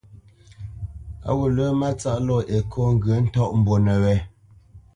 A ghǔt lə́ Mátsáʼ lɔ Ekô ŋgyə̌ ntɔ́ʼmbónə̄ wé.